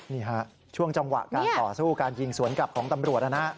นี่ฮะช่วงจังหวะการต่อสู้การยิงสวนกลับของตำรวจนะฮะ